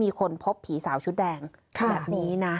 มีคนพบผีสาวชุดแดงแบบนี้นะ